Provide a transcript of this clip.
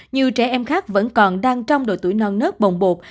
nhiều trẻ em khác vẫn còn đang trong độ tuổi non nớt bồng bột